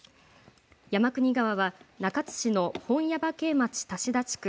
山国川は中津市の本耶馬渓町多志田地区